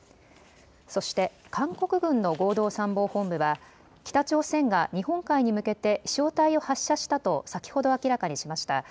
そして韓国軍の合同参謀本部は北朝鮮が日本海に向けて飛しょう体を発射したと先ほど明らかにしました。